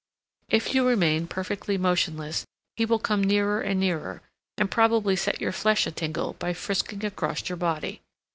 If you remain perfectly motionless, he will come nearer and nearer, and probably set your flesh a tingle by frisking across your body.